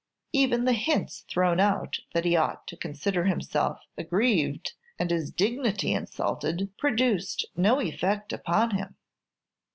Even the hints thrown out that he ought to consider himself aggrieved and his dignity insulted, produced no effect upon him.